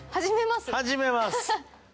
始めます？